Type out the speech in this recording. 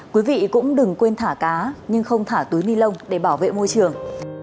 quý vị cũng đừng quên thả cá nhưng không thả túi ni lông để bảo vệ môi trường